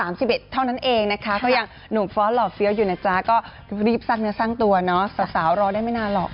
รถพังครับฝนภาคพรุ่งเท่านั้นมากครับ